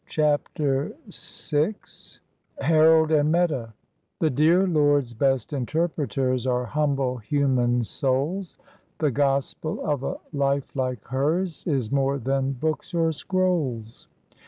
CHAPTER VI HAROLD AND META "The dear Lord's best interpreters Are humble human souls; The gospel of a life like hers Is more than books or scrolls.